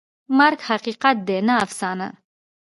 مرګ حقیقت دی، نه افسانه.